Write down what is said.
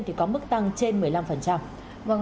thì có mức tăng trên một mươi năm